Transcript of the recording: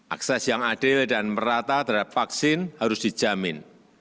akses yang adil dan merata terhadap vaksin harus dijamin